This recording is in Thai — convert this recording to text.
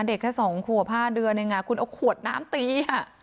เด็กแค่สองหัวผ้าเดือนยังไงคุณเอาขวดน้ำตี